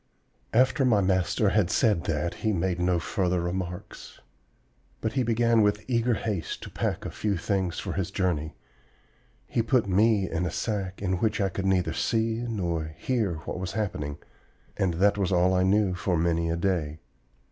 "After my master had said that, he made no further remarks; but he began with eager haste to pack a few things for his journey. He put me in a sack in which I could neither see nor hear what was happening; and that was all I knew for many a day.